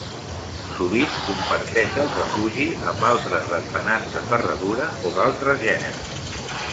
Sovint comparteix el refugi amb altres ratpenats de ferradura o d'altres gèneres.